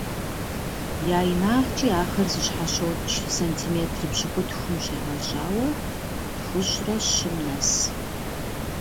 Я инагъкIи ахэр зэщхьэщокI сантиметр пщыкIутхум щегъэжьауэ тхущIрэ щым нэс.